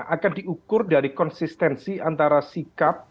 akan diukur dari konsistensi antara sikap